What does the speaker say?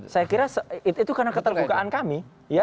saya kira itu karena keterbukaan kami